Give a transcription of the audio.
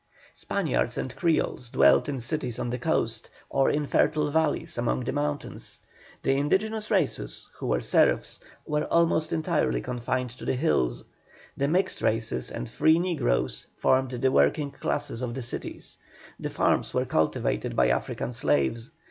Spaniards and Creoles dwelt in cities on the coast, or in fertile valleys among the mountains. The indigenous races, who were serfs, were almost entirely confined to the hills; the mixed races and free negroes formed the working classes of the cities; the farms were cultivated by African slaves.